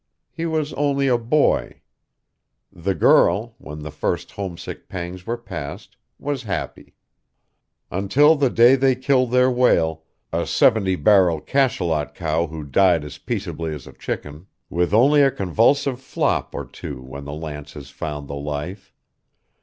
He was only a boy.... The girl, when the first homesick pangs were past, was happy. Until the day they killed their whale, a seventy barrel cachalot cow who died as peaceably as a chicken, with only a convulsive flop or two when the lances found the life.